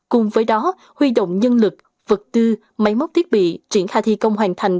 cùng với đó huy động nhân lực vật tư máy móc thiết bị triển khai thi công hoàn thành